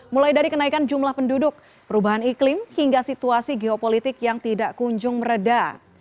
mulai dari kenaikan jumlah penduduk perubahan iklim hingga situasi geopolitik yang tidak kunjung meredah